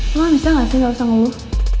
lo bisa gak sih gak usah ngeluh